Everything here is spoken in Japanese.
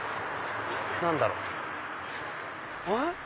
何だろう？